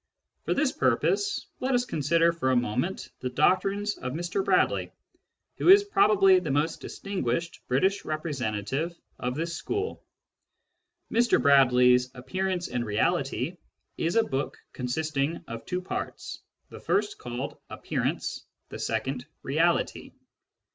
For this purpose, let us consider for a moment the doctrines of Mr Bradley, who is probably the most distinguished living representative of this school. Mr Bradley's Appearance and Reality is a book consisting of two parts, the first called Appearance^ the second Reality.